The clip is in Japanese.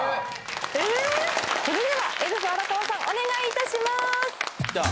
それではエルフ荒川さんお願いいたします